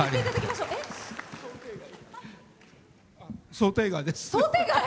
想定外です。